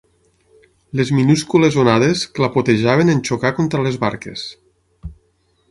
Les minúscules onades clapotejaven en xocar contra les barques.